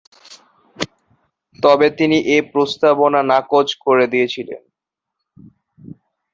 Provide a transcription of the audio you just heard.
তবে, তিনি এ প্রস্তাবনা নাকচ করে দিয়েছিলেন।